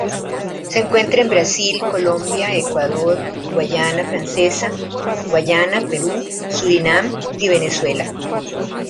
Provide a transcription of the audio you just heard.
Se encuentra en Brasil, Colombia, Ecuador, Guayana Francesa, Guayana, Perú, Surinam y Venezuela.